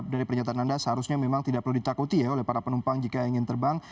dari pernyataan anda seharusnya memang tidak perlu ditakuti ya oleh para penumpang jika ingin terbang